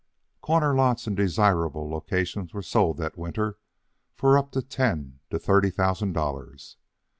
Corner lots in desirable locations sold that winter for from ten to thirty thousand dollars.